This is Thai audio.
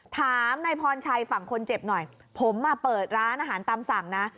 ถามนายพรชัยฝั่งคนเจ็บหน่อยผมมาเปิดร้านอาหารตามสั่งนะ